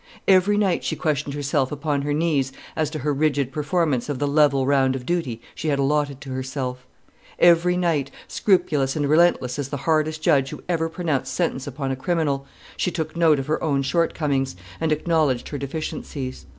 Every night she questioned herself upon her knees as to her rigid performance of the level round of duty she had allotted to herself; every night scrupulous and relentless as the hardest judge who ever pronounced sentence upon a criminal she took note of her own shortcomings, and acknowledged her deficiencies.